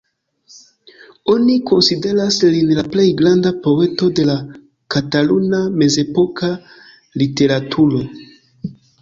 Oni konsideras lin la plej granda poeto de la kataluna mezepoka literaturo.